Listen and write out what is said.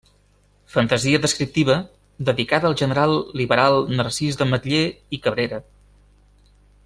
Fantasia descriptiva, dedicada al general liberal Narcís d'Ametller i Cabrera.